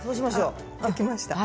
あきました。